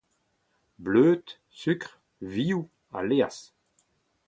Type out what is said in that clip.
Bleud, sukr, vioù ha laezh.